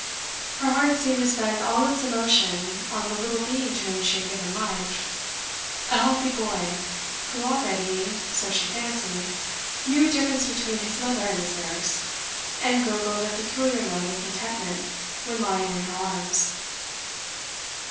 Her heart seemed to spend all its emotion on the little being to whom she had given life a healthy boy, who already, so she fancied, knew a difference between his mother and his nurse, and gurgled a peculiar note of contentment when lying in her arms.